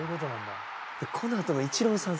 このあとのイチローさん